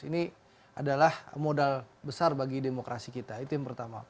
ini adalah modal besar bagi demokrasi kita itu yang pertama